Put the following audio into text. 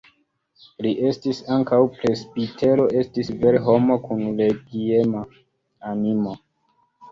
Li estis ankaŭ presbitero, estis vere homo kun religiema animo.